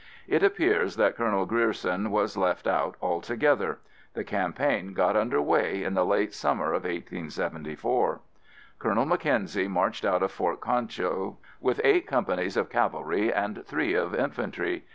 It appears that Colonel Grierson was left out altogether. The campaign got under way in the late summer of 1874. Colonel Mackenzie marched out of Fort Concho with eight companies of cavalry and three of infantry.